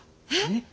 えっ！